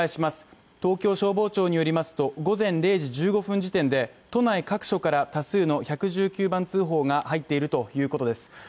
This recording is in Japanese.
東京消防庁によりますと、午前０時１５分時点で都内各所から多数の１１９番通報が入っているということです。